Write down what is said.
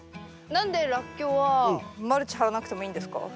何でラッキョウはマルチ張らなくてもいいんですか？